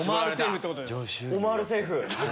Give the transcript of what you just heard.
オマールセーフ！